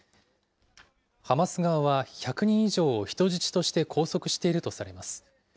ハマス側は１００人以上を人質として拘束しているとされます。